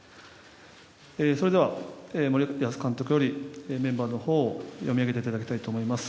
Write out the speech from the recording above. それでは森保監督よりメンバーのほうを読み上げていただきたいと思います。